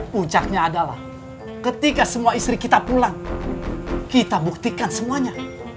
puncaknya adalah ketika semua istri kita pulang kita buktikan semuanya